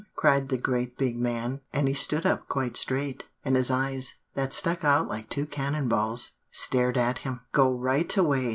cried the great big man; and he stood up quite straight, and his eyes, that stuck out like two cannon balls, stared at him. "'Go right away!